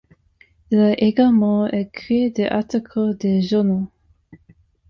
Il a également écrit des articles de journaux.